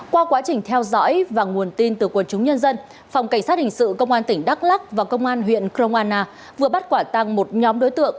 qua quá trình theo dõi và nguồn tin từ quần chúng nhân dân phòng cảnh sát hình sự công an tỉnh đắk lắc và công an huyện krong anna vừa bắt quả tăng một nhóm đối tượng